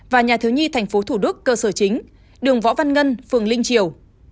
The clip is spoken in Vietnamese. và nhà thiếu nhi thành phố thủ đức cơ sở chính đường võ văn ngân phường linh triều